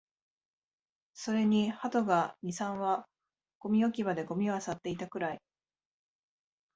それに鳩が二、三羽、ゴミ置き場でゴミを漁っていたくらい